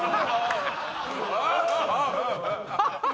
アハハハ！